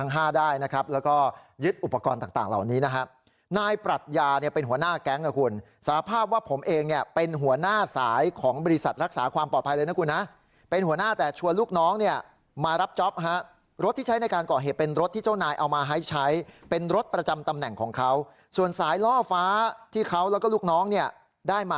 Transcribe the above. ห้าได้นะครับแล้วก็ยึดอุปกรณ์ต่างเหล่านี้นะฮะนายปรัชญาเนี่ยเป็นหัวหน้าแก๊งนะคุณสาภาพว่าผมเองเนี่ยเป็นหัวหน้าสายของบริษัทรักษาความปลอดภัยเลยนะคุณนะเป็นหัวหน้าแต่ชวนลูกน้องเนี่ยมารับจ๊อปฮะรถที่ใช้ในการก่อเหตุเป็นรถที่เจ้านายเอามาให้ใช้เป็นรถประจำตำแหน่งของเขาส่วนสายล่อฟ้าที่เขาแล้วก็ลูกน้องเนี่ยได้มา